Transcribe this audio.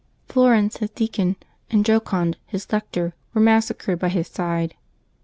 Florens, his deacon, and Jocond, his lector, were massacred by his side.